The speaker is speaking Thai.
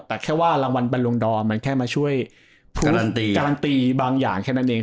แต่แค่ว่ารางวัลบรรลงดอมมันแค่มาช่วยการันตีการันตีบางอย่างแค่นั้นเอง